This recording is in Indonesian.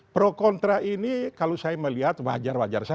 pro kontra ini kalau saya melihat wajar wajar saja